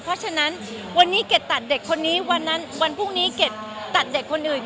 เพราะฉะนั้นวันนี้เกรดตัดเด็กคนนี้วันนั้นวันพรุ่งนี้เกดตัดเด็กคนอื่น